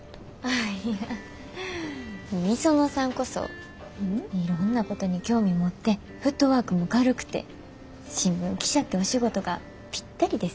御園さんこそいろんなことに興味持ってフットワークも軽くて新聞記者ってお仕事がぴったりですよね。